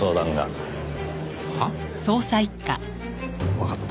わかった。